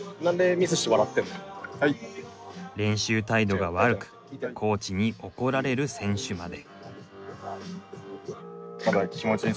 練習態度が悪くコーチに怒られる選手まで。